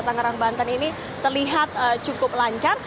tangerang banten ini terlihat cukup lancar